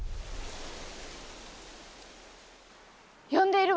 呼んでいるわ！